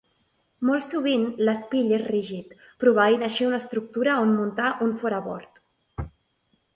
Molt sovint l'espill és rígid, proveint així una estructura on muntar un forabord.